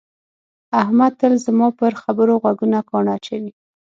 احمد تل زما پر خبره غوږونه ګاڼه اچوي.